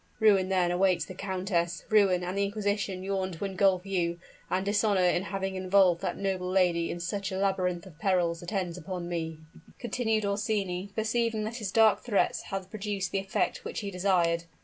"Ruin, then, awaits the countess, ruin, and the inquisition yawn to ingulf you; and dishonor in having involved that noble lady in such a labyrinth of perils attends upon me," continued Orsini, perceiving that his dark threats had produced the effect which he desired.